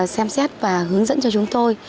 xem xét và hướng dẫn cho chúng tôi